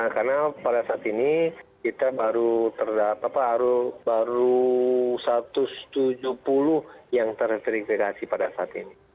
karena pada saat ini kita baru terdapat baru satu ratus tujuh puluh yang terverifikasi pada saat ini